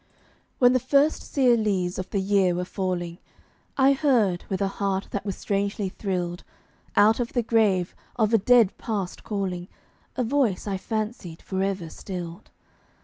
When the first sere leaves of the year were falling, I heard, with a heart that was strangely thrilled, Out of the grave of a dead Past calling, A voice I fancied forever stilled.